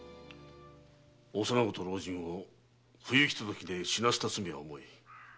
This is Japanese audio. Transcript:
幼子と老人を不行き届きで死なせた罪は重い。